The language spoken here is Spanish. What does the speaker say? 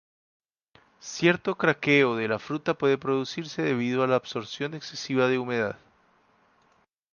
Cierto craqueo de la fruta puede producirse debido a la absorción excesiva de humedad.